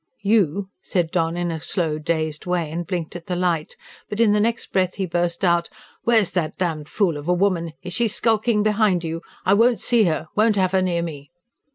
"You!" said John in a slow, dazed way, and blinked at the light. But in the next breath he burst out: "Where's that damned fool of a woman? Is she skulking behind you? I won't see her won't have her near me!"